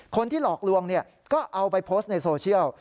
หลอกลวงก็เอาไปโพสต์ในโซเชียล